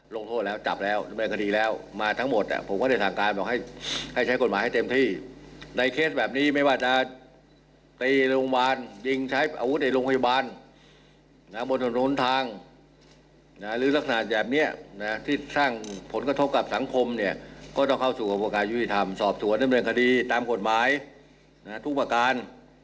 ยุทธรรมสอบถั่วด้วยเงินคดีตามกฎหมายทุกประการ